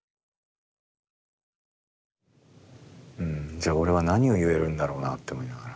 じゃあ俺は何を言えるんだろうなって思いながら。